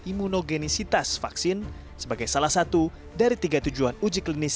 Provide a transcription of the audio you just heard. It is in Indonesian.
imunogenisitas vaksin sebagai salah satu dari tiga tujuan uji klinis